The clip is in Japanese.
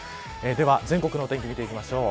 では全国の天気見ていきましょう。